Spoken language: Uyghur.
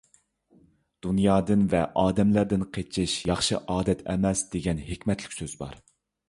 «دۇنيادىن ۋە ئادەملەردىن قېچىش ياخشى ئادەت ئەمەس» دېگەن ھېكمەتلىك سۆز بار.